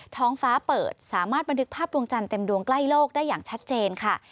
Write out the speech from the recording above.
ท้องฟ้าเปิดสามารถบันทึกภาพดวงจันทร์เต็มดวงใกล้โลกได้อย่างชัดเจนค่ะ